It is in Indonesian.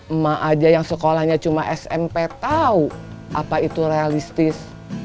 emak aja yang sekolahnya cuma smp tahu apa itu realistis